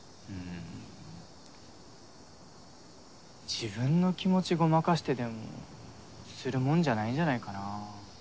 自分の気持ちごまかしてでもするもんじゃないんじゃないかなぁ。